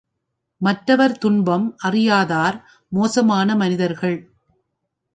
மற்றவர் துன்பம் அறியாதார் மோசமான மனிதர்கள்.